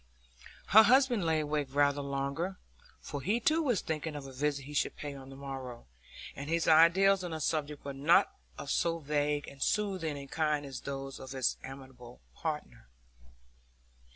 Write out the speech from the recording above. Her husband lay awake rather longer, for he too was thinking of a visit he would pay on the morrow; and his ideas on the subject were not of so vague and soothing a kind as those of his amiable partner.